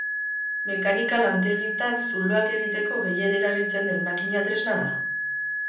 Mekanika-lantegitan zuloak egiteko gehien erabiltzen den makina-tresna da.